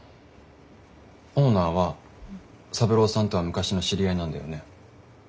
オーナーは三郎さんとは昔の知り合いなんだよね？